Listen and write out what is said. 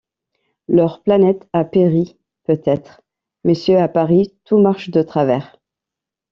Leur planète a péri peut-être. — Monsieur, à Paris tout marche de travers.